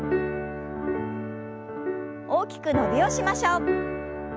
大きく伸びをしましょう。